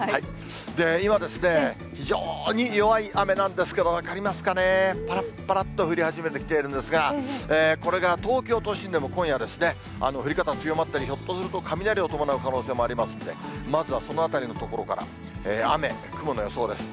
今ですね、非常に弱い雨なんですけれども、分かりますかね、ぱらっぱらっと降り始めてきているんですが、これが東京都心でも、今夜、降り方強まったり、ひょっとすると雷も伴う可能性もありますんで、まずはそのあたりのところから、雨、雲の予想です。